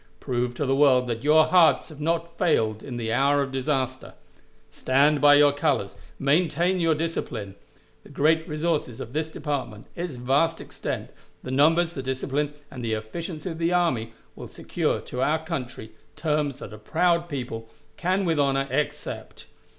... Prove to the world that your hearts have not failed in the hour of disaster. ... Stand by your colors maintain your discipline. The great resources of this department, its vast extent, the numbers, the discipline, and the efficiency of the army, will secure to our country terms that a proud people can with honor accept."